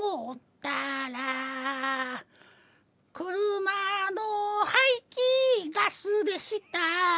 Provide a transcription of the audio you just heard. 「車の排気ガスでした」